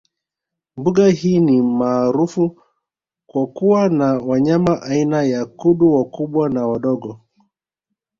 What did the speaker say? Mbuga hii ni maarufu kwa kuwa na wanyama aina ya Kudu wakubwa na wadogo